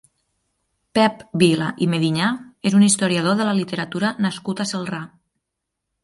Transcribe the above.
Pep Vila i Medinyà és un historiador de la literatura nascut a Celrà.